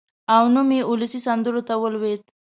او نوم یې اولسي سندرو ته ولوېد.